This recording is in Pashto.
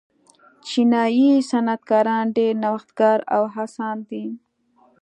چینايي صنعتکاران ډېر نوښتګر او هڅاند دي.